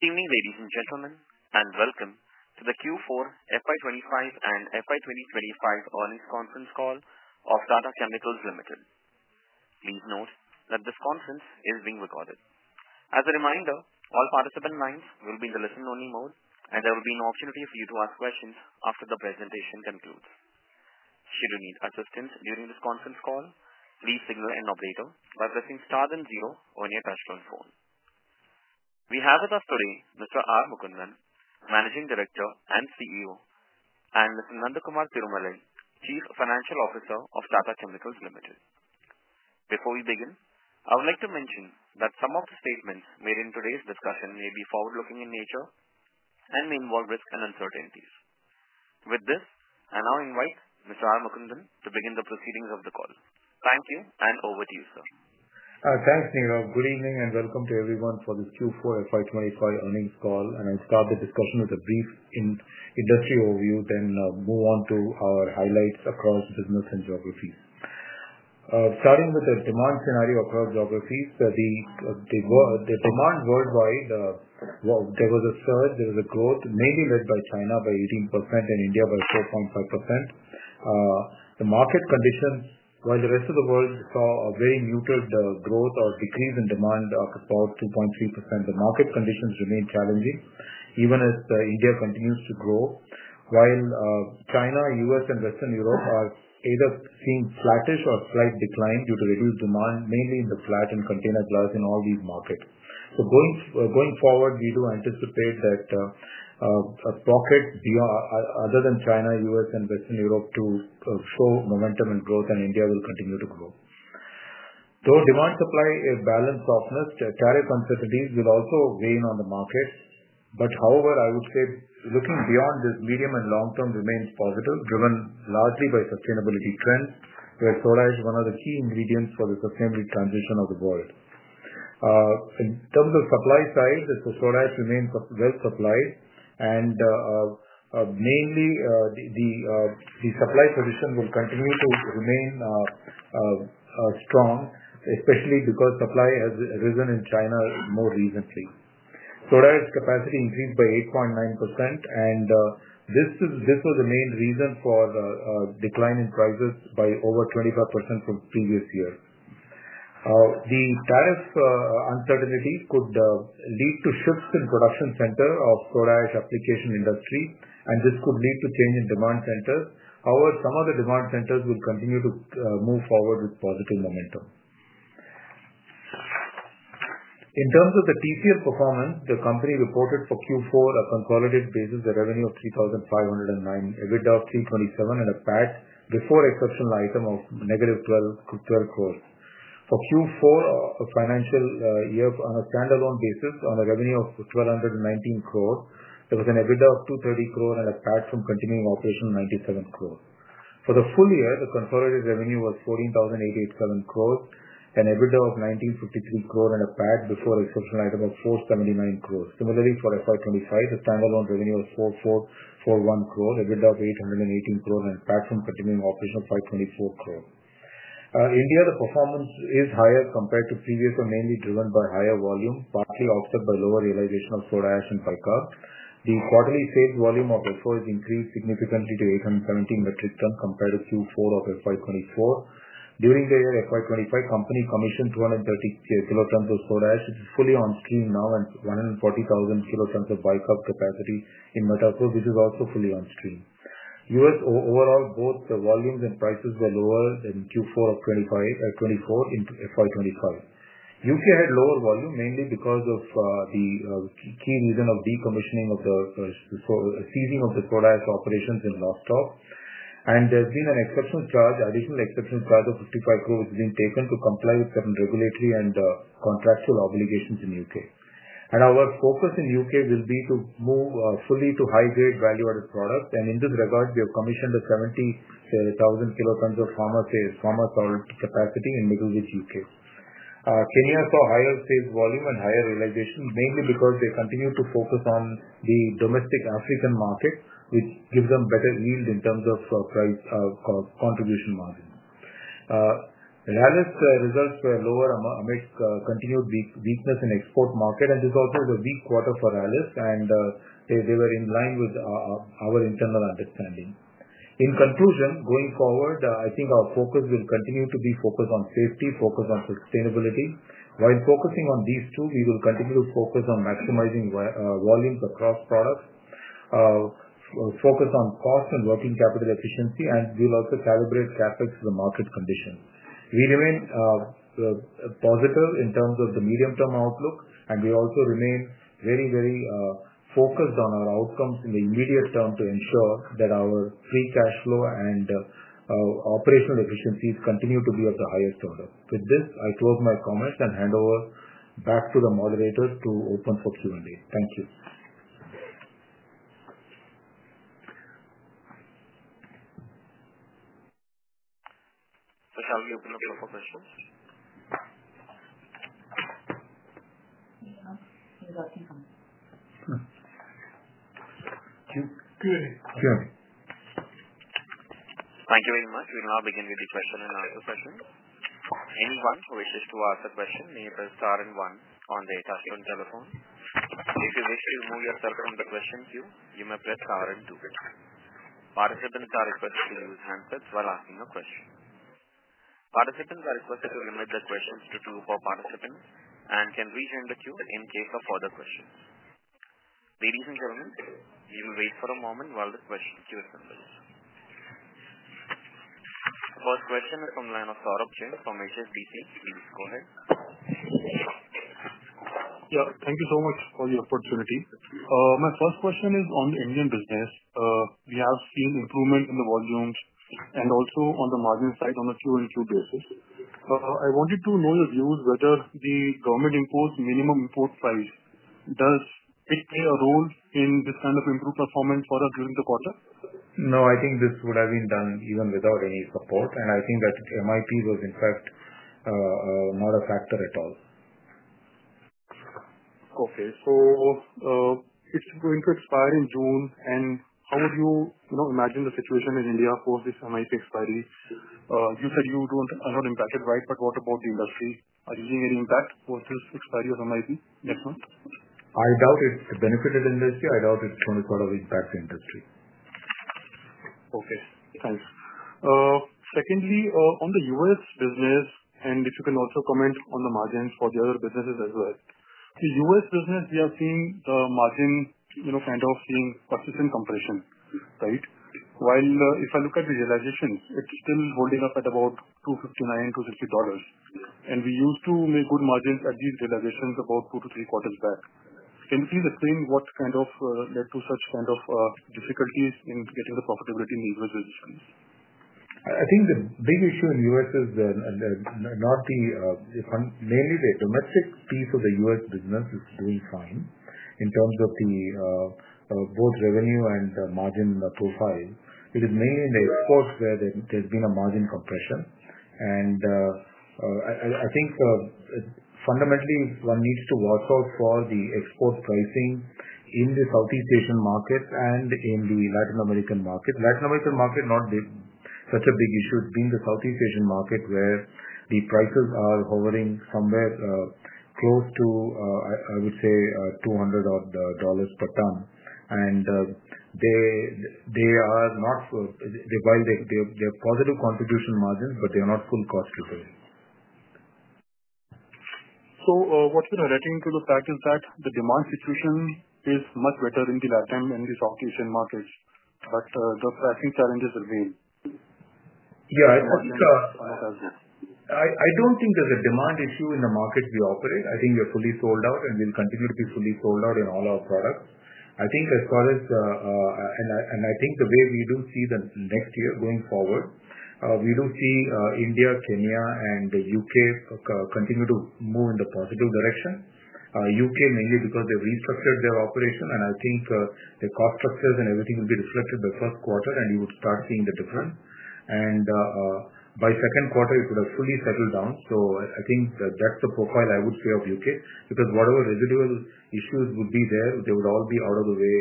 Evening, ladies and gentlemen, and welcome to the Q4 FY 2025 and FY 2025 earnings conference call of Tata Chemicals Limited. Please note that this conference is being recorded. As a reminder, all participant lines will be in the listen-only mode, and there will be no opportunity for you to ask questions after the presentation concludes. Should you need assistance during this conference call, please signal an operator by pressing star then zero on your touch-tone phone. We have with us today Mr. R. Mukundan, Managing Director and CEO, and Mr. Nandakumar Tirumalai, Chief Financial Officer of Tata Chemicals Limited. Before we begin, I would like to mention that some of the statements made in today's discussion may be forward-looking in nature and may involve risks and uncertainties. With this, I now invite Mr. R. Mukundan to begin the proceedings of the call. Thank you, and over to you, sir. Thanks, Neerav. Good evening and welcome to everyone for this Q4 FY 2025 earnings call. I'll start the discussion with a brief industry overview, then move on to our highlights across business and geographies. Starting with the demand scenario across geographies, the demand worldwide, there was a surge, there was a growth, mainly led by China by 18% and India by 4.5%. The market conditions, while the rest of the world saw a very mutual growth or decrease in demand of about 2.3%, the market conditions remain challenging even as India continues to grow, while China, U.S., and Western Europe are either seeing flattish or slight decline due to reduced demand, mainly in the flat and container glass in all these markets. Going forward, we do anticipate that a pocket beyond, other than China, U.S., and Western Europe, to show momentum and growth, and India will continue to grow. Though demand-supply balance softness, tariff uncertainties will also weigh in on the markets. However, I would say looking beyond this, medium and long term remains positive, driven largely by sustainability trends where soda ash is one of the key ingredients for the sustainability transition of the world. In terms of supply side, soda ash remains well supplied, and mainly the supply position will continue to remain strong, especially because supply has risen in China more recently. Soda ash capacity increased by 8.9%, and this was the main reason for a decline in prices by over 25% from previous year. The tariff uncertainty could lead to shifts in production center of soda ash application industry, and this could lead to change in demand centers. However, some of the demand centers will continue to move forward with positive momentum. In terms of the TCL performance, the company reported for Q4 a consolidated basis, a revenue of 3,509 crore, EBITDA of 327 crore, and a PAT before exceptional item of -12 crore. For Q4 financial year on a standalone basis, on a revenue of 1,219 crore, there was an EBITDA of 230 crore and a PAT from continuing operation of 97 crore. For the full year, the consolidated revenue was 14,087 crore, an EBITDA of 1,953 crore, and a PAT before exceptional item of 479 crore. Similarly, for FY 2025, the standalone revenue was 441 crore, EBITDA of 818 crore, and PAT from continuing operation of 524 crore. India, the performance is higher compared to previous and mainly driven by higher volume, partly offset by lower realization of soda ash and bicarb. The quarterly sales volume of FO has increased significantly to 870 metric tons compared to Q4 of FY 2024. During the year FY 2025, company commissioned 230 kT of soda ash, which is fully on stream now, and 140 kT of bicarb capacity in Mithapur, which is also fully on stream. U.S. overall, both volumes and prices were lower than Q4 of 2024 in FY 2025. U.K. had lower volume mainly because of the key reason of decommissioning of the ceasing of the soda ash operations in Lostock, and there has been an exceptional charge, additional exceptional charge of 55 crores, which has been taken to comply with certain regulatory and contractual obligations in U.K. Our focus in U.K. will be to move fully to high-grade value-added products, and in this regard, we have commissioned 70 kilotons of pharma grade salt capacity in Middlewich, U.K. Kenya saw higher sales volume and higher realization, mainly because they continue to focus on the domestic African market, which gives them better yield in terms of contribution margin. Rallis results were lower amidst continued weakness in export market, and this also is a weak quarter for Rallis, and they were in line with our internal understanding. In conclusion, going forward, I think our focus will continue to be focused on safety, focused on sustainability. While focusing on these two, we will continue to focus on maximizing volumes across products, focus on cost and working capital efficiency, and we'll also calibrate CapEx to the market conditions. We remain positive in terms of the medium-term outlook, and we also remain very, very focused on our outcomes in the immediate term to ensure that our free cash flow and operational efficiencies continue to be at the highest order. With this, I close my comments and hand over back to the moderator to open for Q&A. Thank you. Shall we open up for questions? Q&A. Q&A. Thank you very much. We'll now begin with the question-and-answer session. Anyone who wishes to ask a question may press star and one on the touchscreen telephone. If you wish to remove yourself from the question queue, you may press star and two again. Participants are requested to use handpads while asking a question. Participants are requested to limit their questions to two or four participants and can rejoin the queue in case of further questions. Ladies and gentlemen, we will wait for a moment while the question queue assembles. First question is from line of Saurabh Jain from HSBC. Please go ahead. Yeah, thank you so much for the opportunity. My first question is on the Indian business. We have seen improvement in the volumes and also on the margin side on a Q&Q basis. I wanted to know your views whether the government-imposed minimum import price, does it play a role in this kind of improved performance for us during the quarter? No, I think this would have been done even without any support, and I think that MIP was, in fact, not a factor at all. Okay, so it's going to expire in June, and how would you imagine the situation in India post this MIP expiry? You said you are not impacted, right? What about the industry? Are you seeing any impact post this expiry of MIP next month? I doubt it benefited industry. I doubt it's going to sort of impact the industry. Okay, thanks. Secondly, on the U.S. business, and if you can also comment on the margins for the other businesses as well. The U.S. business, we are seeing the margin kind of seeing persistent compression, right? While if I look at the realizations, it's still holding up at about $259-$260, and we used to make good margins at these realizations about two to three quarters back. Can you please explain what kind of led to such kind of difficulties in getting the profitability in these resources? I think the big issue in the U.S. is not the mainly the domestic piece of the U.S. business is doing fine in terms of both revenue and margin profile. It is mainly in the exports where there's been a margin compression, and I think fundamentally one needs to watch out for the export pricing in the Southeast Asian market and in the Latin American market. Latin American market, not such a big issue, being the Southeast Asian market where the prices are hovering somewhere close to, I would say, $200 per ton, and they are not while they have positive contribution margins, but they are not full cost. What you're alerting to the fact is that the demand situation is much better in the Latin and the Southeast Asian markets, but the pricing challenges remain. Yeah, I think. I don't think there's a demand issue in the market we operate. I think we are fully sold out, and we'll continue to be fully sold out in all our products. I think as far as, and I think the way we do see the next year going forward, we do see India, Kenya, and the U.K. continue to move in the positive direction. U.K. mainly because they've restructured their operation, and I think the cost structures and everything will be reflected by first quarter, and you would start seeing the difference. By second quarter, it would have fully settled down. I think that's the profile I would say of U.K. because whatever residual issues would be there, they would all be out of the way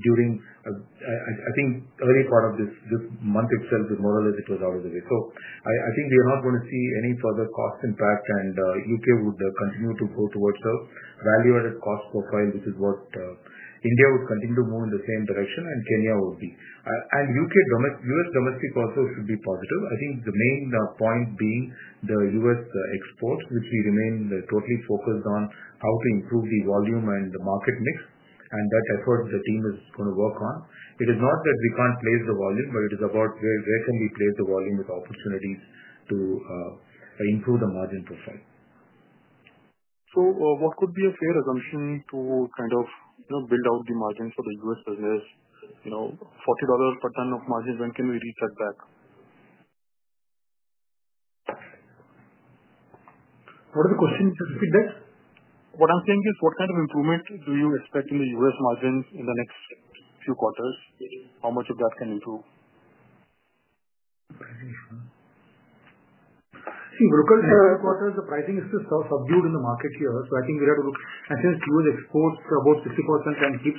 during, I think, early part of this month itself, more or less it was out of the way. I think we are not going to see any further cost impact, and U.K. would continue to go towards a value-added cost profile, which is what India would continue to move in the same direction, and Kenya would be. U.S. domestic also should be positive. I think the main point being the U.S. exports, which we remain totally focused on how to improve the volume and the market mix, and that effort the team is going to work on. It is not that we can't place the volume, but it is about where can we place the volume with opportunities to improve the margin profile. What could be a fair assumption to kind of build out the margin for the U.S. business? $40 per ton of margin, when can we reach that back? What are the questions? What I'm saying is what kind of improvement do you expect in the US margins in the next few quarters? How much of that can improve? I think the quarters, the pricing is still subdued in the market here, so I think we have to look. And since US exports are about 60% and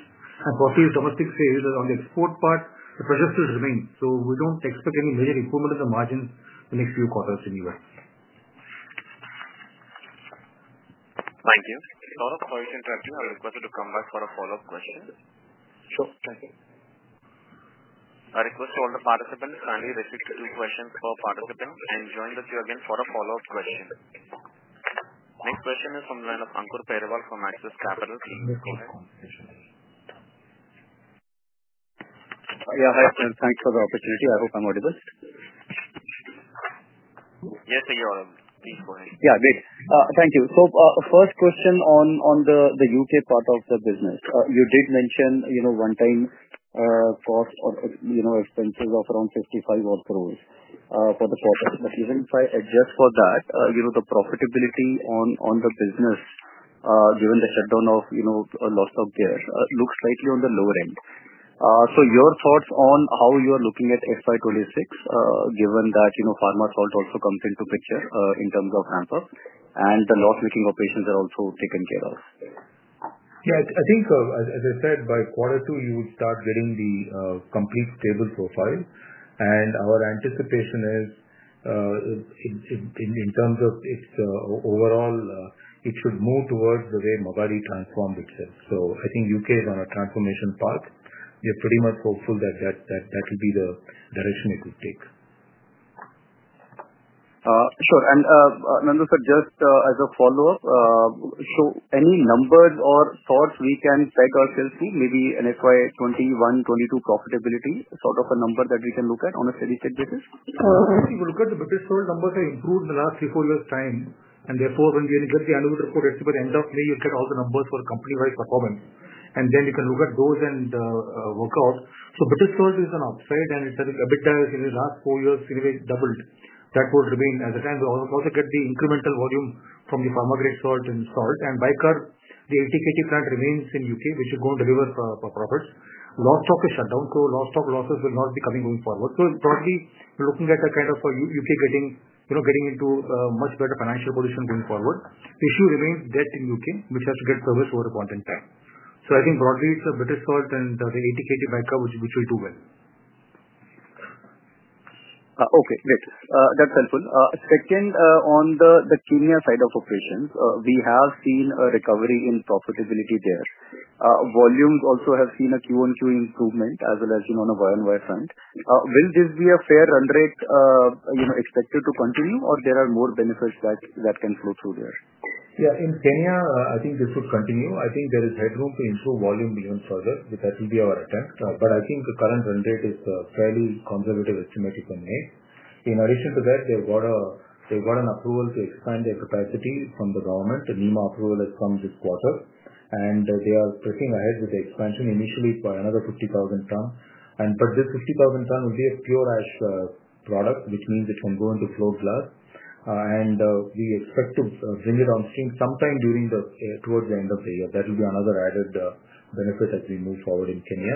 proceeds domestic sales on the export part, the pressure still remains. So we do not expect any major improvement in the margins the next few quarters anyway. Thank you. Before the question tracking, I am requested to come back for a follow-up question. Sure. Thank you. I request all the participants kindly reflect two questions for participants and join the queue again for a follow-up question. Next question is from line of Ankur Periwal from Axis Capital. Please go ahead. Yeah, hi, and thanks for the opportunity. I hope I'm audible. Yes, you are audible. Please go ahead. Yeah, great. Thank you. First question on the U.K. part of the business. You did mention one-time cost or expenses of around 55 crore for the quarter. Even if I adjust for that, the profitability on the business, given the shutdown of Lostock there, looks slightly on the lower end. Your thoughts on how you are looking at FY 2026, given that pharma grade salt also comes into picture in terms of hamper, and the loss-making operations are also taken care of? Yeah, I think as I said, by quarter two, you would start getting the complete stable profile, and our anticipation is in terms of its overall, it should move towards the way Lostock transformed itself. I think U.K. is on a transformation path. We are pretty much hopeful that that will be the direction it would take. Sure. Just as a follow-up, any numbers or thoughts we can peg ourselves to, maybe an FY 2021, 2022 profitability, sort of a number that we can look at on a steady state basis? I think we look at the British Salt numbers have improved in the last three, four years' time, and therefore when we get the annual report, I think by the end of May, you'll get all the numbers for company-wide performance, and then you can look at those and work out. British Salt is an upside, and it's a bit dire. The last four years, anyway, doubled. That will remain. At the time, we also get the incremental volume from the pharma-grade salt and salt, and bicarb, the 80 kT plant remains in the U.K., which is going to deliver profits. Lostock is shut down, so Lostock losses will not be coming going forward. Broadly, we're looking at a kind of U.K. getting into a much better financial position going forward. The issue remains debt in the U.K., which has to get serviced over a point in time. I think broadly, it's British Salt and the 80 kT backup, which will do well. Okay, great. That's helpful. Second, on the Kenya side of operations, we have seen a recovery in profitability there. Volumes also have seen a Q1, Q2 improvement as well as on a year-on-year front. Will this be a fair run rate expected to continue, or are there more benefits that can flow through there? Yeah, in Kenya, I think this would continue. I think there is headroom to improve volume even further. That will be our attempt, but I think the current run rate is a fairly conservative estimate you can make. In addition to that, they've got an approval to expand their capacity from the government. NEMA approval has come this quarter, and they are pressing ahead with the expansion initially by another 50,000 tons. This 50,000 tons will be a pure ash product, which means it can go into float glass, and we expect to bring it on stream sometime towards the end of the year. That will be another added benefit as we move forward in Kenya.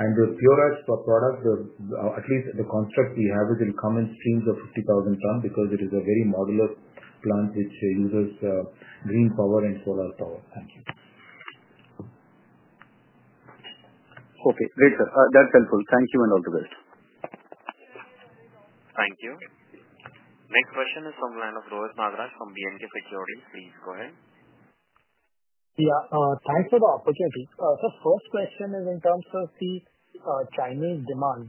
The pure ash product, at least the construct we have, it will come in streams of 50,000 tons because it is a very modular plant which uses green power and solar power. Thank you. Okay, great. That's helpful. Thank you and all the best. Thank you. Next question is from line of Rohit Nagraj from B&K Securities. Please go ahead. Yeah, thanks for the opportunity. First question is in terms of the Chinese demand.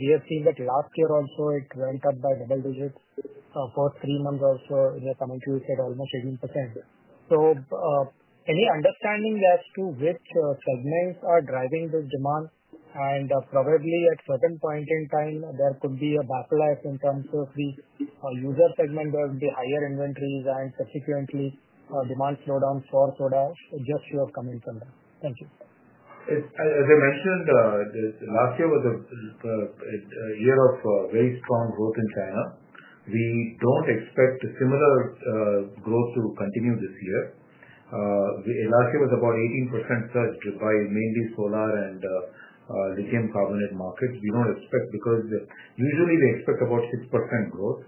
We have seen that last year also it went up by double digits. For three months also, in the coming two years, it's almost 18%. Any understanding as to which segments are driving this demand? Probably at a certain point in time, there could be a backlash in terms of the user segment, there would be higher inventories, and subsequently, demand slowdown for soda just should have come in from there. Thank you. As I mentioned, last year was a year of very strong growth in China. We do not expect similar growth to continue this year. Last year was about 18% surged by mainly solar and lithium carbonate markets. We do not expect because usually we expect about 6% growth.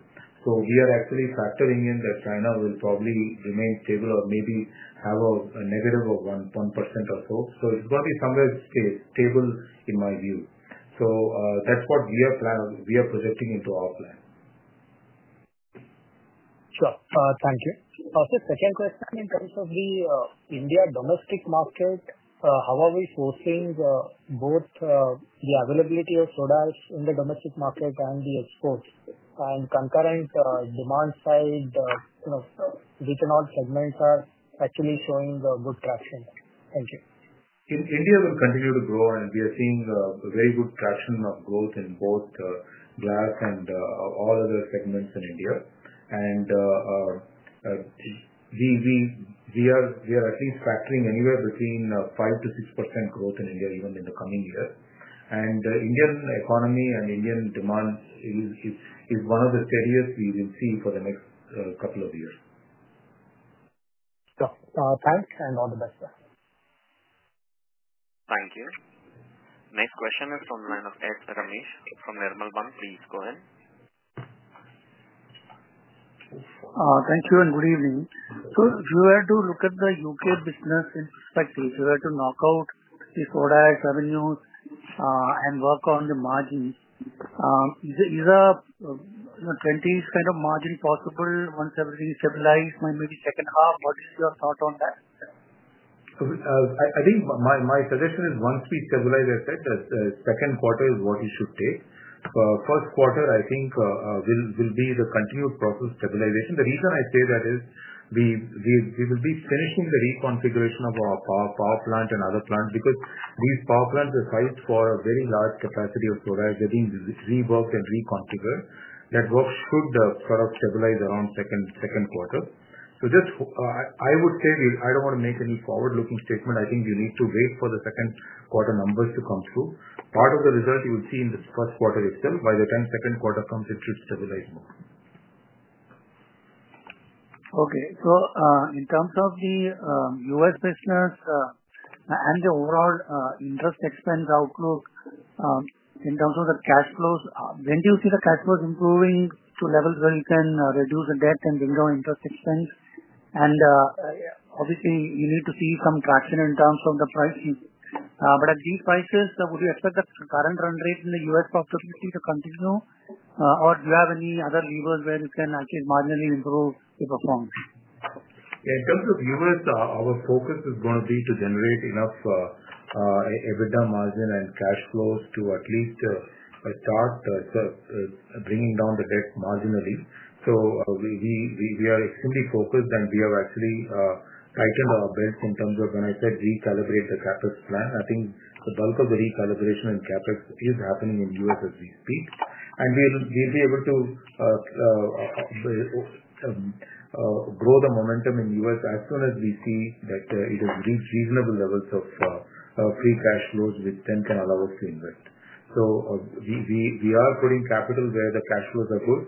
We are actually factoring in that China will probably remain stable or maybe have a negative of 1% or so. It is going to be somewhere stable in my view. That is what we are projecting into our plan. Sure. Thank you. Also, second question in terms of the India domestic market, how are we sourcing both the availability of soda ash in the domestic market and the exports? Concurrent demand side, which in all segments are actually showing good traction? Thank you. India will continue to grow, and we are seeing very good traction of growth in both glass and all other segments in India. We are at least factoring anywhere between 5%-6% growth in India even in the coming year. The Indian economy and Indian demand is one of the steadiest we will see for the next couple of years. Yeah, thanks and all the best. Thank you. Next question is from line of Ramish from Nirmal Bang. Please go ahead. Thank you and good evening. If you were to look at the U.K. business in perspective, if you were to knock out the soda revenues and work on the margins, is a 20% kind of margin possible once everything stabilized by maybe second half? What is your thought on that? I think my suggestion is once we stabilize, I said that the second quarter is what you should take. First quarter, I think, will be the continued process stabilization. The reason I say that is we will be finishing the reconfiguration of our power plant and other plants because these power plants are sized for a very large capacity of soda. They are being reworked and reconfigured. That work should sort of stabilize around second quarter. I would say I do not want to make any forward-looking statement. I think we need to wait for the second quarter numbers to come through. Part of the result you will see in the first quarter itself. By the time second quarter comes, it should stabilize more. Okay. In terms of the US business and the overall interest expense outlook in terms of the cash flows, when do you see the cash flows improving to levels where you can reduce the debt and bring down interest expense? Obviously, you need to see some traction in terms of the pricing. At these prices, would you expect the current run rate in the US profitability to continue, or do you have any other levers where you can actually marginally improve the performance? In terms of U.S., our focus is going to be to generate enough EBITDA margin and cash flows to at least start bringing down the debt marginally. We are extremely focused, and we have actually tightened our belts in terms of, when I said recalibrate the CapEx plan, I think the bulk of the recalibration in CapEx is happening in U.S. as we speak. We will be able to grow the momentum in U.S. as soon as we see that it has reached reasonable levels of free cash flows, which then can allow us to invest. We are putting capital where the cash flows are good,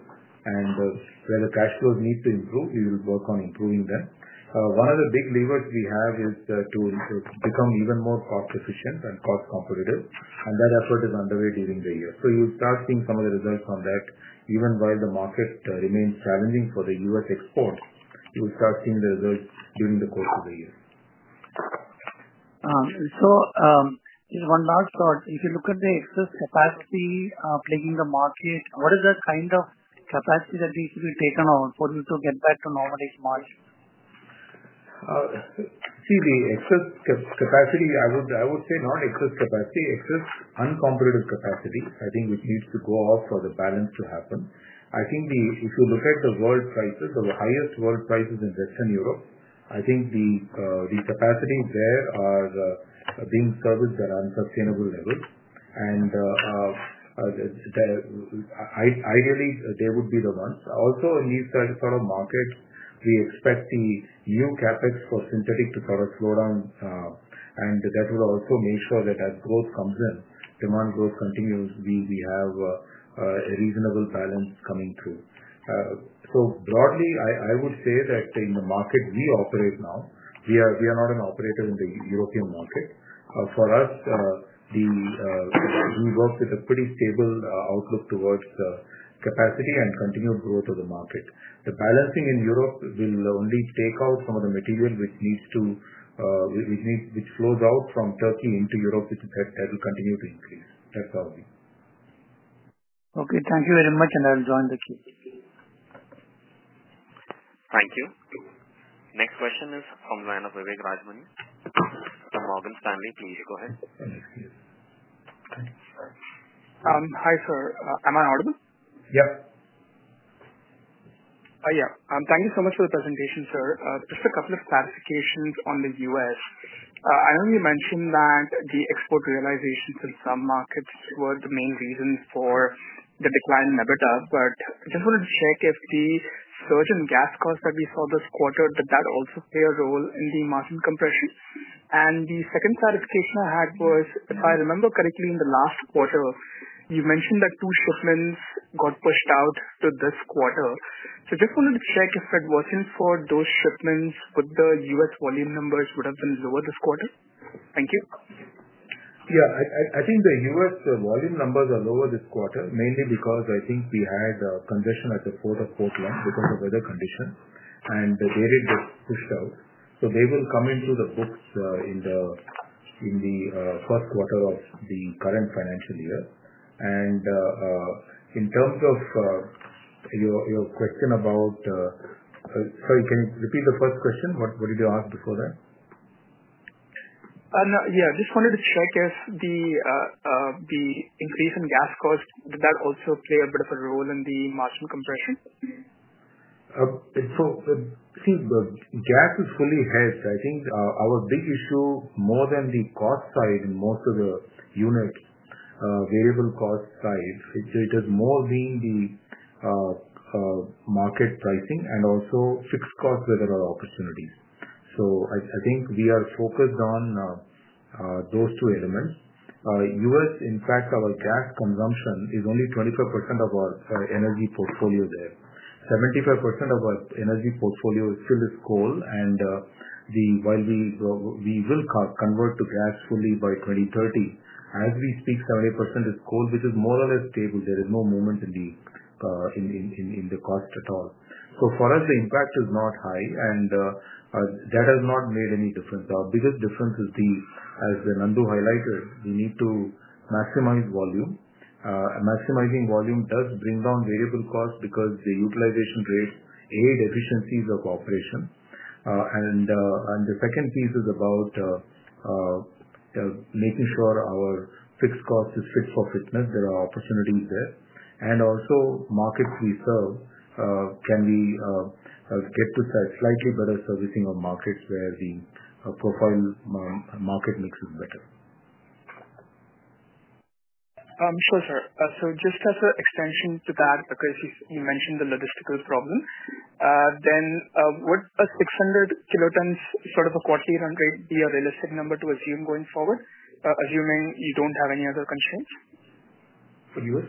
and where the cash flows need to improve, we will work on improving them. One of the big levers we have is to become even more cost-efficient and cost-competitive, and that effort is underway during the year. You'll start seeing some of the results on that. Even while the market remains challenging for the U.S. exports, you will start seeing the results during the course of the year. One last thought. If you look at the excess capacity plaguing the market, what is the kind of capacity that needs to be taken on for you to get back to normal age margin? See, the excess capacity, I would say not excess capacity, excess uncompetitive capacity, I think, which needs to go off for the balance to happen. I think if you look at the world prices, the highest world prices in Western Europe, I think the capacities there are being serviced at unsustainable levels. Ideally, they would be the ones. Also, in these sort of markets, we expect the new CapEx for synthetic to sort of slow down, and that will also make sure that as growth comes in, demand growth continues, we have a reasonable balance coming through. Broadly, I would say that in the market we operate now, we are not an operator in the European market. For us, we work with a pretty stable outlook towards capacity and continued growth of the market. The balancing in Europe will only take out some of the material which needs to, which flows out from Turkey into Europe, which will continue to increase. That's our view. Okay. Thank you very much, and I'll join the queue. Thank you. Next question is from line of Vivek Rajamani from Morgan Stanley. Please go ahead. Thanks. Hi, sir. Am I audible? Yep. Yeah. Thank you so much for the presentation, sir. Just a couple of clarifications on the U.S. I know you mentioned that the export realizations in some markets were the main reason for the decline in EBITDA, but I just wanted to check if the surge in gas costs that we saw this quarter, did that also play a role in the margin compression? The second clarification I had was, if I remember correctly, in the last quarter, you mentioned that two shipments got pushed out to this quarter. I just wanted to check if it was not for those shipments, would the U.S. volume numbers have been lower this quarter? Thank you. Yeah. I think the U.S. volume numbers are lower this quarter, mainly because I think we had congestion at the port of Portland because of weather conditions, and they did get pushed out. They will come into the books in the first quarter of the current financial year. In terms of your question about—sorry, can you repeat the first question? What did you ask before that? Yeah. I just wanted to check if the increase in gas costs, did that also play a bit of a role in the margin compression? See, gas is fully hedged. I think our big issue, more than the cost side in most of the unit variable cost side, it has more been the market pricing and also fixed costs where there are opportunities. I think we are focused on those two elements. U.S., in fact, our gas consumption is only 25% of our energy portfolio there. 75% of our energy portfolio still is coal, and while we will convert to gas fully by 2030, as we speak, 70% is coal, which is more or less stable. There is no movement in the cost at all. For us, the impact is not high, and that has not made any difference. Our biggest difference is, as Nandu highlighted, we need to maximize volume. Maximizing volume does bring down variable costs because the utilization rates aid efficiencies of operation. The second piece is about making sure our fixed cost is fit for fitness. There are opportunities there. Also, markets we serve, can we get to slightly better servicing of markets where the profile market mix is better? Sure, sir. Just as an extension to that, because you mentioned the logistical problem, would a 600 kilotons sort of a quarterly run rate be a realistic number to assume going forward, assuming you do not have any other constraints? For U.S.?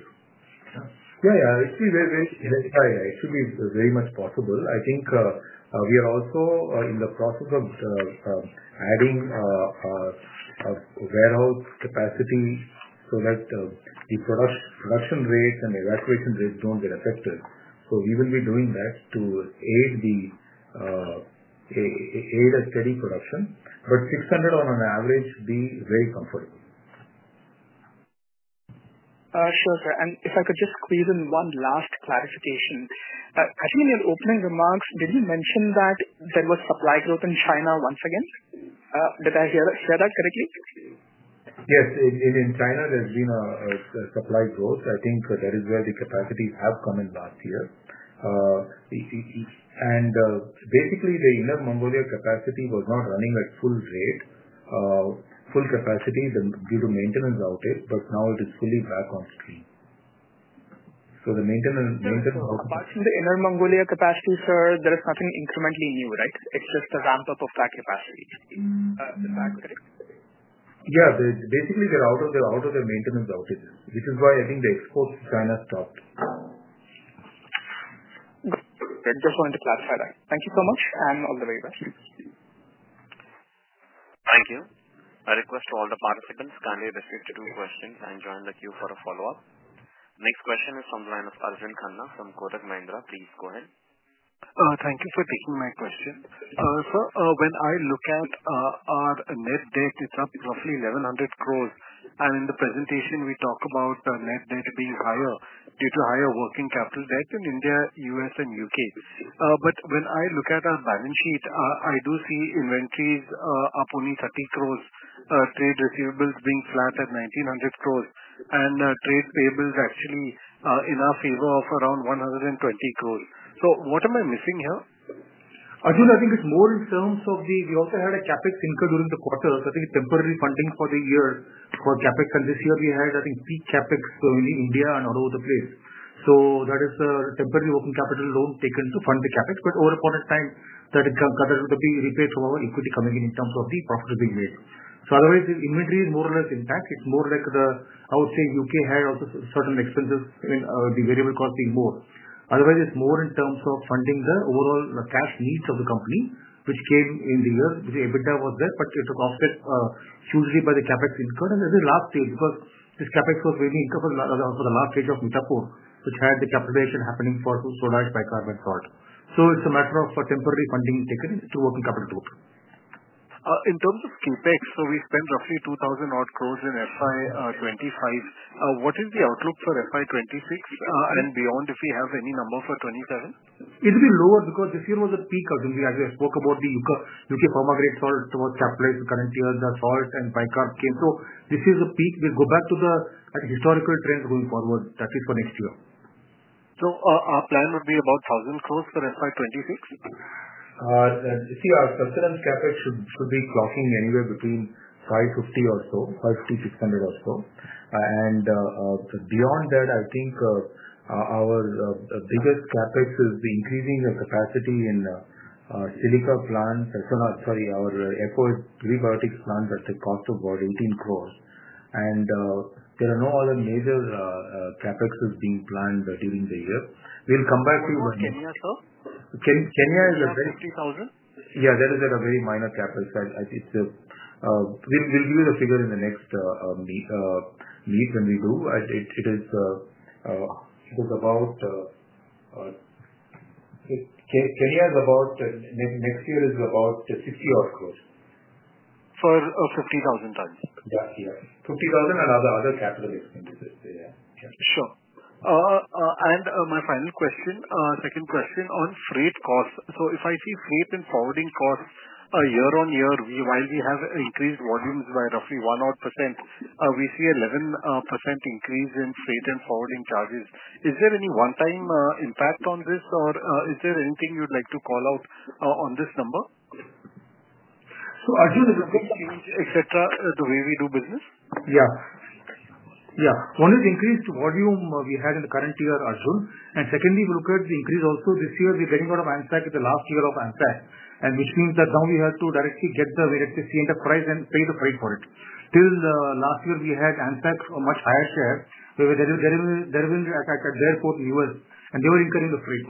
Yeah, yeah. It should be very—sorry, it should be very much possible. I think we are also in the process of adding warehouse capacity so that the production rates and evacuation rates do not get affected. We will be doing that to aid a steady production, but 600 on an average would be very comfortable. Sure, sir. If I could just squeeze in one last clarification. I think in your opening remarks, did you mention that there was supply growth in China once again? Did I hear that correctly? Yes. In China, there's been a supply growth. I think that is where the capacities have come in last year. I think the Inner Mongolia capacity was not running at full rate, full capacity due to maintenance outage, but now it is fully back on stream. The maintenance. Apart from the Inner Mongolia capacity, sir, there is nothing incrementally new, right? It's just a ramp-up of that capacity. Is that correct? Yeah. Basically, they're out of their maintenance outages, which is why I think the exports to China stopped. Good. I just wanted to clarify that. Thank you so much, and all the very best. Thank you. I request all the participants kindly restrict to two questions and join the queue for a follow-up. Next question is from line of Arjun Khanna from Kotak Mahindra. Please go ahead. Thank you for taking my question. Sir, when I look at our net debt, it's up roughly 1,100 crore. In the presentation, we talk about net debt being higher due to higher working capital debt in India, U.S., and U.K. When I look at our balance sheet, I do see inventories up only 30 crore, trade receivables being flat at 1,900 crore, and trade payables actually in our favor of around 120 crore. What am I missing here? Arjun, I think it's more in terms of the—we also had a CapEx incurred during the quarter. I think temporary funding for the year for CapEx. This year, we had, I think, peak CapEx in India and all over the place. That is a temporary working capital loan taken to fund the CapEx. Over a period of time, that it got to be repaid from our equity coming in terms of the profit being made. Otherwise, the inventory is more or less intact. It's more like the—I would say the U.K. had also certain expenses, the variable cost being more. Otherwise, it's more in terms of funding the overall cash needs of the company, which came in the year. EBITDA was there, but it was offset hugely by the CapEx incurred. The last stage, because this CapEx was mainly incurred for the last stage of Mithapur, which had the capitalization happening for soda, bicarb, and salt. It is a matter of temporary funding taken through working capital took. In terms of CapEx, so we spent roughly 2,000 crore in FY 2025. What is the outlook for FY 2026 and beyond if we have any number for 2027? It will be lower because this year was a peak, Arjun. We actually spoke about the U.K. pharma grade salt was capitalized the current year, the salt and bicarb came. This is a peak. We will go back to the historical trends going forward, at least for next year. Our plan would be about 1,000 crore for FY 2026? See, our sustenance CapEx should be clocking anywhere between 550 crore or so, 550 crore-600 crore or so. Beyond that, I think our biggest CapEx is the increasing capacity in silica plants. Sorry, our epoxide prebiotics plants at the cost of about 18 crore. There are no other major CapExs being planned during the year. We'll come back to you when we. For Kenya as well? Kenya is a very. 50,000? Yeah, that is at a very minor CapEx. We'll give you the figure in the next meet when we do. It is about Kenya is about next year is about 60 crore. For 50,000 tons? Yeah. 50,000 and other capital expenditures. Sure. My final question, second question on freight costs. If I see freight and forwarding costs year on year, while we have increased volumes by roughly 1% odd, we see an 11% increase in freight and forwarding charges. Is there any one-time impact on this, or is there anything you'd like to call out on this number? Arjun, is it. Change, etc., the way we do business? Yeah. Yeah. One is increased volume we had in the current year, Arjun. Secondly, we look at the increase also this year. We are getting a lot of ANZAC in the last year of ANZAC, which means that now we have to directly get the CNF price and pay the freight for it. Till last year, we had ANZAC a much higher share. They were delivering at the airport in the U.S., and they were incurring the freight.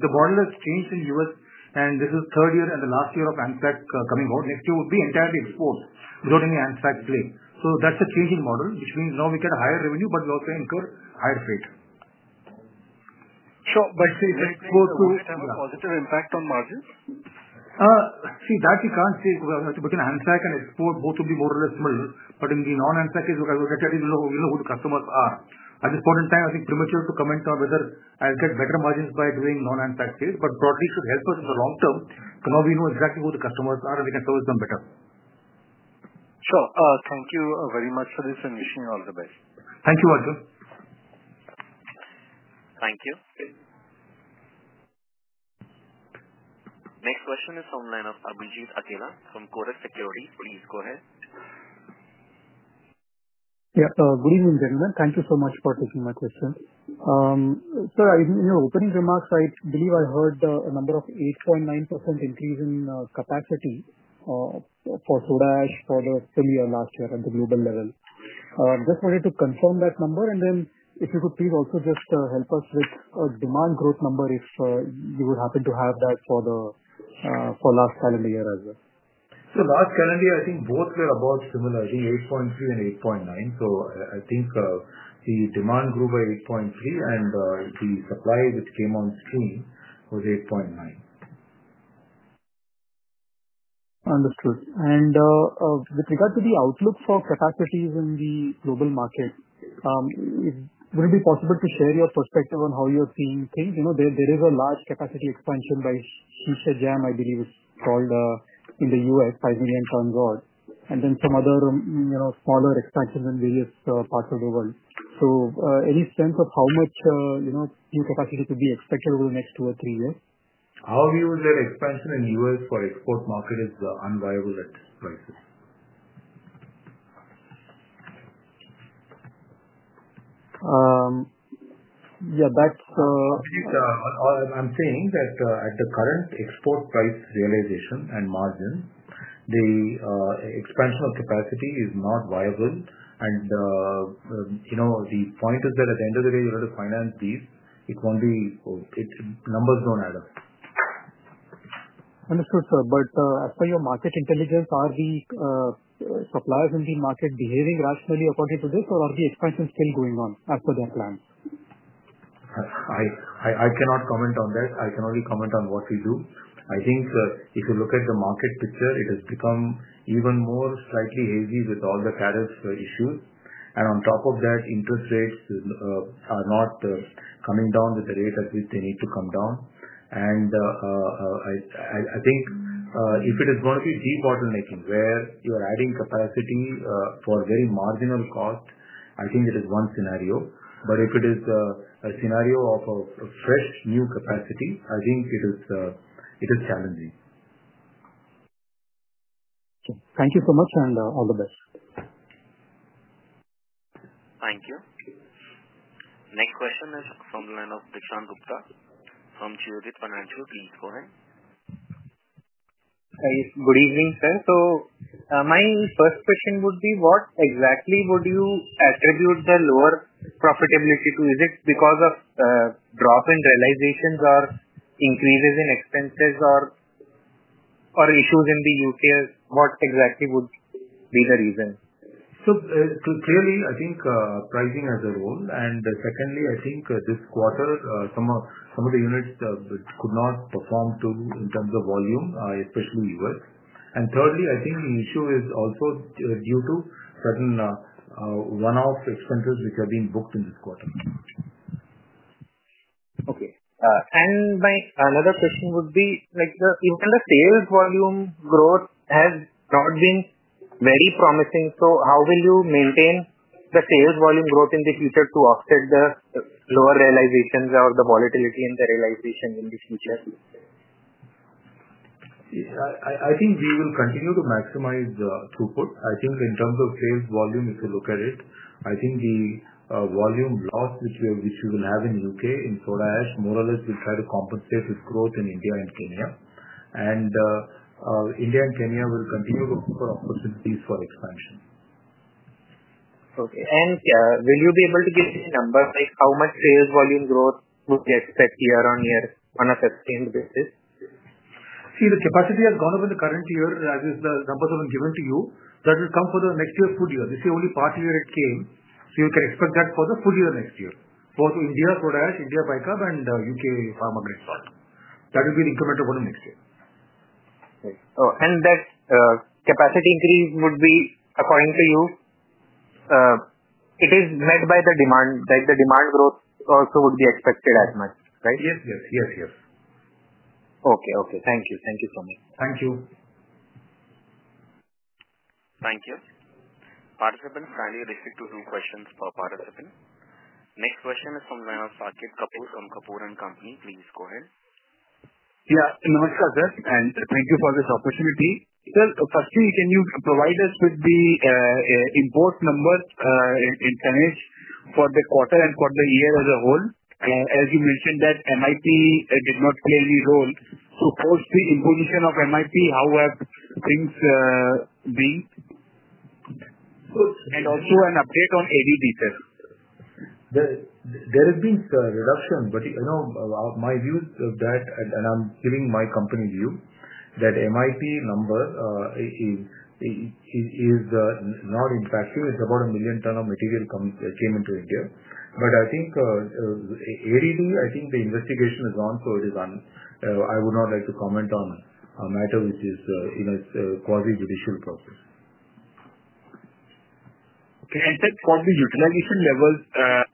The model has changed in the U.S., and this is the third year and the last year of ANZAC coming out. Next year would be entirely export without any ANZAC play. That is a changing model, which means now we get a higher revenue, but we also incur higher freight. Sure. See, it's a positive impact on margins? See, that we can't say. Between ANZAC and export, both would be more or less similar. In the non-ANZAC case, we'll get ready to know who the customers are. At this point in time, I think it's premature to comment on whether I'll get better margins by doing non-ANZAC trade. Broadly, it should help us in the long term. Now we know exactly who the customers are, and we can service them better. Sure. Thank you very much for this and wishing you all the best. Thank you, Arjun. Thank you. Next question is from line of Abhijit Akella from Kotak Securities. Please go ahead. Yeah. Good evening, gentlemen. Thank you so much for taking my question. Sir, in your opening remarks, I believe I heard a number of 8.9% increase in capacity for soda ash for the full year last year at the global level. Just wanted to confirm that number. If you could please also just help us with a demand growth number if you would happen to have that for last calendar year as well. Last calendar year, I think both were about similar, I think 8.3 and 8.9. I think the demand grew by 8.3%, and the supply which came on stream was 8.9%. Understood. With regard to the outlook for capacities in the global market, would it be possible to share your perspective on how you're seeing things? There is a large capacity expansion by Sisecam, I believe it's called, in the US, 5 million tons odd, and then some other smaller expansions in various parts of the world. Any sense of how much new capacity could be expected over the next two or three years? How we would get expansion in US for export market is unviable at this price. Yeah. That's. I'm saying that at the current export price realization and margin, the expansion of capacity is not viable. The point is that at the end of the day, you're going to finance these. It won't be, numbers don't add up. Understood, sir. As for your market intelligence, are the suppliers in the market behaving rationally according to this, or are the expansions still going on as per their plans? I cannot comment on that. I can only comment on what we do. I think if you look at the market picture, it has become even more slightly hazy with all the tariff issues. On top of that, interest rates are not coming down with the rate at which they need to come down. I think if it is going to be deep bottlenecking where you are adding capacity for very marginal cost, I think it is one scenario. If it is a scenario of a fresh new capacity, I think it is challenging. Okay. Thank you so much and all the best. Thank you. Next question is from line of Dishant Gupta from GEOJIT Financial. Please go ahead. Good evening, sir. My first question would be, what exactly would you attribute the lower profitability to? Is it because of drop in realizations or increases in expenses or issues in the U.K.? What exactly would be the reason? Clearly, I think pricing has a role. Secondly, I think this quarter, some of the units could not perform in terms of volume, especially the U.S. Thirdly, I think the issue is also due to certain one-off expenses which have been booked in this quarter. Okay. My another question would be, if the sales volume growth has not been very promising, how will you maintain the sales volume growth in the future to offset the lower realizations or the volatility in the realization in the future? I think we will continue to maximize throughput. I think in terms of sales volume, if you look at it, I think the volume loss which we will have in the U.K. in soda ash more or less will try to compensate with growth in India and Kenya. India and Kenya will continue to offer opportunities for expansion. Okay. Will you be able to give me a number, like how much sales volume growth would you expect year on year on a sustained basis? See, the capacity has gone up in the current year, as is the numbers have been given to you. That will come for the next year, full year. This is only part of the year it came. You can expect that for the full year next year, both India soda ash, India bicarb, and U.K. pharma grade salt. That will be the incremental volume next year. That capacity increase would be, according to you, it is met by the demand, right? The demand growth also would be expected as much, right? Yes. Okay, okay. Thank you. Thank you so much. Thank you. Thank you. Participants, kindly restrict to two questions per participant. Next question is from line of Saket Kapoor from Kapoor & Company. Please go ahead. Yeah. Namaskar, sir. And thank you for this opportunity. Sir, firstly, can you provide us with the import number in tonne for the quarter and for the year as a whole? As you mentioned that MIP did not play any role. Post the imposition of MIP, how have things been? Also, an update on ADD details. There has been a reduction, but my view is that, and I'm giving my company view, that MIP number is not impacting. It's about 1 million ton of material that came into India. But I think ADD, I think the investigation is on, so it is on. I would not like to comment on a matter which is in a quasi-judicial process. Okay. Sir, for the utilization levels,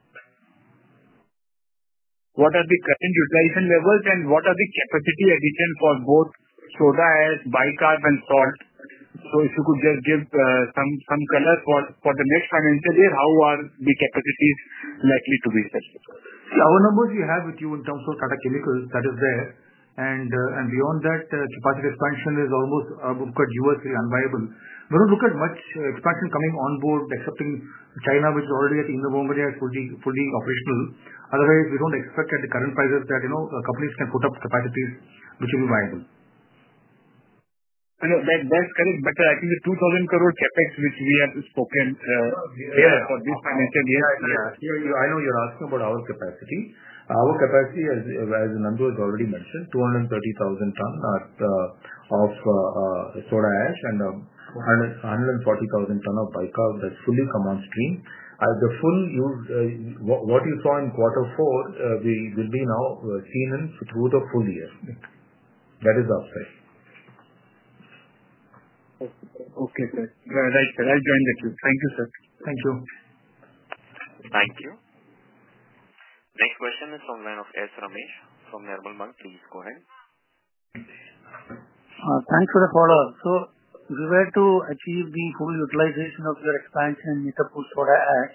what are the current utilization levels, and what are the capacity additions for both soda ash, bicarb, and salt? If you could just give some colors for the next financial year, how are the capacities likely to be set? See, our numbers we have with you in terms of Tata Chemicals that is there. Beyond that, capacity expansion is almost looked at US is unviable. We do not look at much expansion coming on board, excepting China which is already at Inner Mongolia as fully operational. Otherwise, we do not expect at the current prices that companies can put up capacities which will be viable. That's correct. I think the 2,000 crore CapEx which we have spoken for this financial year. Yeah. I know you're asking about our capacity. Our capacity, as Nandu has already mentioned, 230,000 ton of soda ash and 140,000 ton of bicarb, that's fully come on stream. The full use, what you saw in quarter four, will be now seen in through the full year. That is upset. Okay, sir. Right. I'll join the team. Thank you, sir. Thank you. Thank you. Next question is from line of S. Ramesh from Nirmal Bang. Please go ahead. Thanks for the follow-up. If we were to achieve the full utilization of your expansion, Mithapur, soda ash,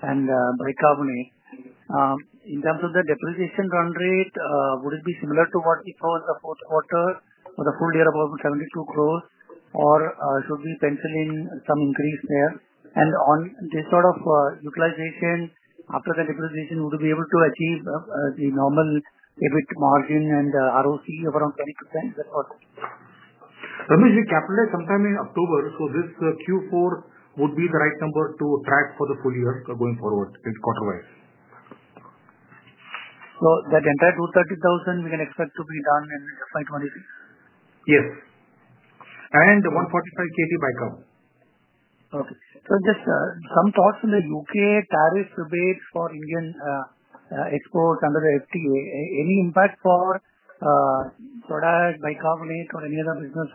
and bicarbonate, in terms of the depreciation run rate, would it be similar to what we saw in the fourth quarter for the full year, about 72 crores, or should we pencil in some increase there? On this sort of utilization, after the depreciation, would we be able to achieve the normal EBIT margin and ROC around 20%? Ramesh, we capitalize sometime in October, so this Q4 would be the right number to track for the full year going forward, quarter-wise. That entire 230,000, we can expect to be done in FY 2026? Yes. And 145 kT bicarb. Okay. So just some thoughts on the U.K. tariff rebates for Indian exports under the FTA. Any impact for soda ash, bicarbonate, or any other business?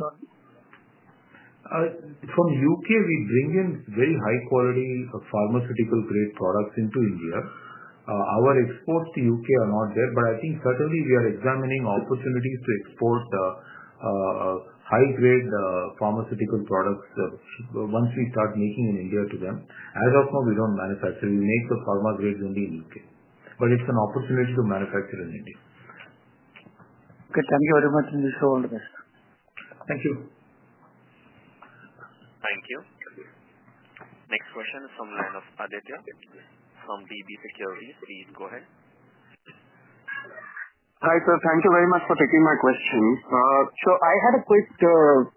From U.K., we bring in very high-quality pharmaceutical-grade products into India. Our exports to U.K. are not there, but I think certainly we are examining opportunities to export high-grade pharmaceutical products once we start making in India to them. As of now, we do not manufacture. We make the pharma grades only in U.K. It is an opportunity to manufacture in India. Okay. Thank you very much. I'm just holding this. Thank you. Thank you. Next question is from line of Aditya from DB Security. Please go ahead. Hi sir. Thank you very much for taking my question. I had a quick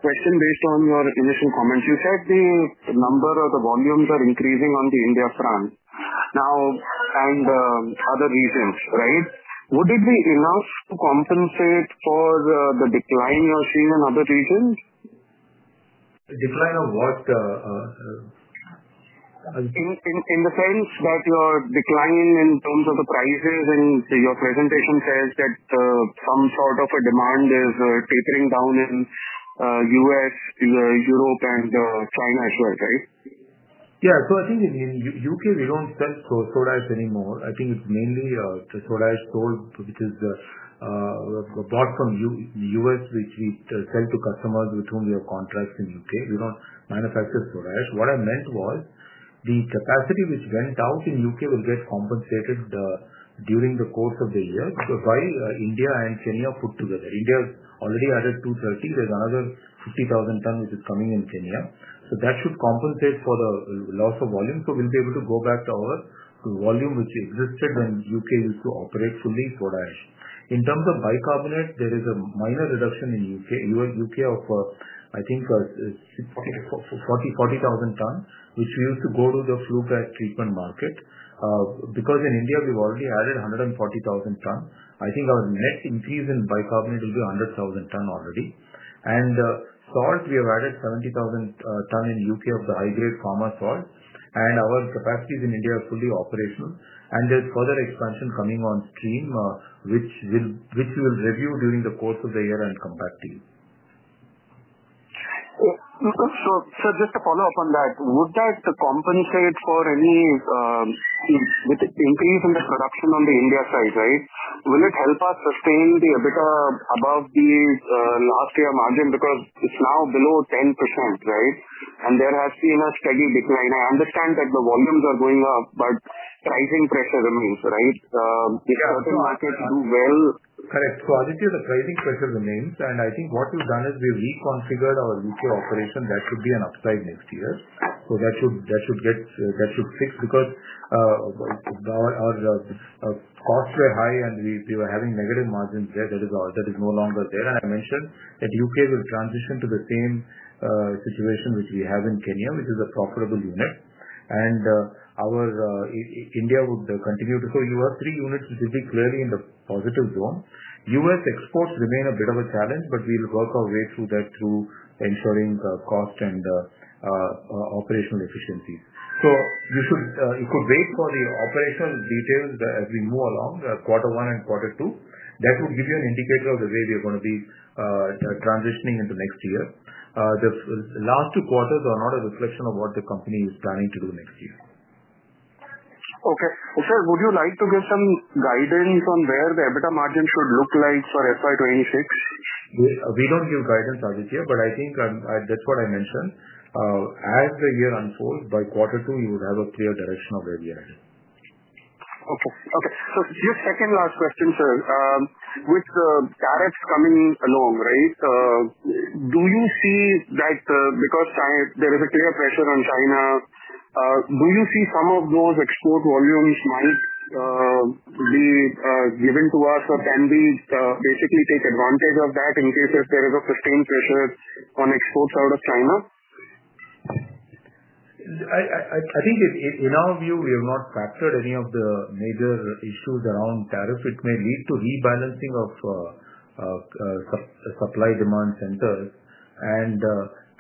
question based on your initial comments. You said the number of the volumes are increasing on the India front now and other regions, right? Would it be enough to compensate for the decline you're seeing in other regions? Decline of what? In the sense that your decline in terms of the prices, and your presentation says that some sort of a demand is tapering down in the U.S., Europe, and China as well, right? Yeah. I think in the U.K., we do not sell soda ash anymore. I think it is mainly soda ash sold, which is bought from the U.S., which we sell to customers with whom we have contracts in the U.K. We do not manufacture soda ash. What I meant was the capacity which went out in the U.K. will get compensated during the course of the year by India and Kenya put together. India has already added 230. There is another 50,000 ton which is coming in Kenya. That should compensate for the loss of volume. We will be able to go back to our volume which existed when the U.K. used to operate fully soda ash. In terms of bicarbonate, there is a minor reduction in the U.K. of, I think, 40,000 ton, which we used to go to the fluoride treatment market. Because in India, we've already added 140,000 ton, I think our net increase in bicarbonate will be 100,000 ton already. Salt, we have added 70,000 ton in the U.K. of the high-grade pharma salt. Our capacities in India are fully operational. There's further expansion coming on stream, which we will review during the course of the year and come back to you. Just to follow up on that, would that compensate for any increase in the production on the India side, right? Will it help us sustain the EBITDA above the last year margin? Because it's now below 10%, right? And there has been a steady decline. I understand that the volumes are going up, but pricing pressure remains, right? If certain markets do well. Correct. As it is, the pricing pressure remains. I think what we have done is we reconfigured our U.K. operation. That should be an upside next year. That should fix because our costs were high, and we were having negative margins there. That is no longer there. I mentioned that U.K. will transition to the same situation which we have in Kenya, which is a profitable unit. India would continue to. You have three units which will be clearly in the positive zone. U.S. exports remain a bit of a challenge, but we will work our way through that through ensuring cost and operational efficiencies. You could wait for the operational details as we move along quarter one and quarter two. That would give you an indicator of the way we are going to be transitioning into next year. The last two quarters are not a reflection of what the company is planning to do next year. Okay. Sir, would you like to give some guidance on where the EBITDA margin should look like for FY 2026? We don't give guidance as it is, but I think that's what I mentioned. As the year unfolds, by quarter two, you will have a clear direction of where we are headed. Okay. Okay. Just second last question, sir. With the tariffs coming along, right, do you see that because there is a clear pressure on China, do you see some of those export volumes might be given to us or can we basically take advantage of that in case if there is a sustained pressure on exports out of China? I think in our view, we have not factored any of the major issues around tariff. It may lead to rebalancing of supply-demand centers.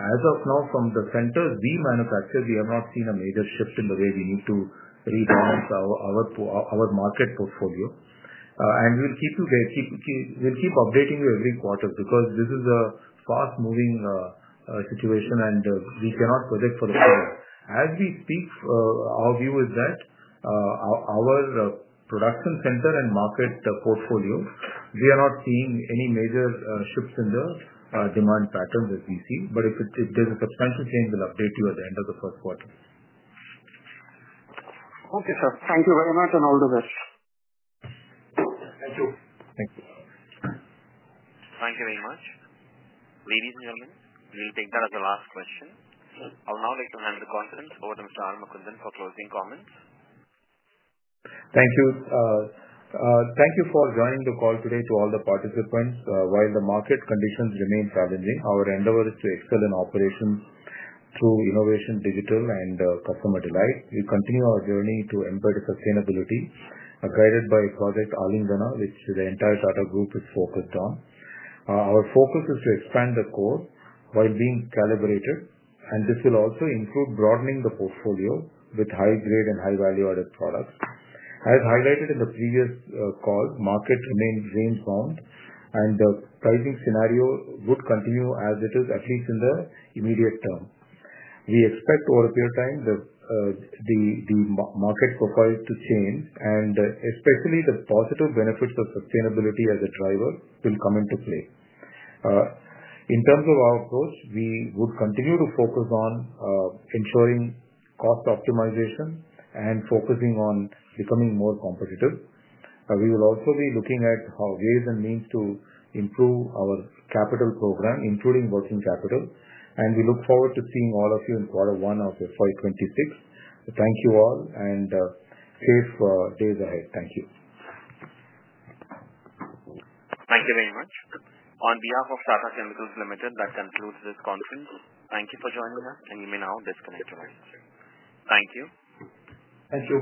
As of now, from the centers we manufacture, we have not seen a major shift in the way we need to rebalance our market portfolio. We will keep updating you every quarter because this is a fast-moving situation, and we cannot predict for the future. As we speak, our view is that our production center and market portfolio, we are not seeing any major shifts in the demand patterns as we see. If there is a substantial change, we will update you at the end of the first quarter. Okay, sir. Thank you very much and all the best. Thank you. Thank you. Thank you very much. Ladies and gentlemen, we'll take that as a last question. I'll now like to hand the conference over to Mr. R. Mukundan for closing comments. Thank you. Thank you for joining the call today to all the participants. While the market conditions remain challenging, our endeavor is to excel in operations through innovation, digital, and customer delight. We continue our journey to embed sustainability, guided by Project Aalingana, which the entire Tata Group is focused on. Our focus is to expand the core while being calibrated, and this will also include broadening the portfolio with high-grade and high-value added products. As highlighted in the previous call, market remains range-bound, and the pricing scenario would continue as it is, at least in the immediate term. We expect over a period of time, the market profile to change, and especially the positive benefits of sustainability as a driver will come into play. In terms of our approach, we would continue to focus on ensuring cost optimization and focusing on becoming more competitive. We will also be looking at ways and means to improve our capital program, including working capital. We look forward to seeing all of you in quarter one of FY 2026. Thank you all, and safe days ahead. Thank you. Thank you very much. On behalf of Tata Chemicals Limited, that concludes this conference. Thank you for joining us, and you may now disconnect your line. Thank you. Thank you.